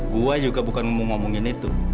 gue juga bukan ngomong ngomongin itu